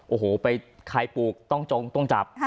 โอ้โหไปใครปลูกต้องจงต้องจับ